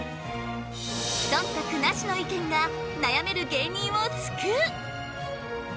そんたくなしの意見が悩める芸人を救う！